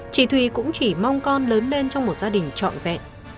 chị thùy cũng chỉ mong con lớn lên trong một gia đình trọn vẹn